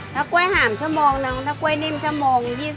ถ้ากล้วยหาหมจะมองน้องถ้ากล้วยนิ่มจะมอง๒๐